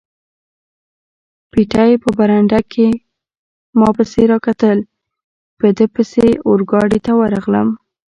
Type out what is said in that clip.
پېټی په برنډه کې ما پسې را کتل، په ده پسې اورګاډي ته ورغلم.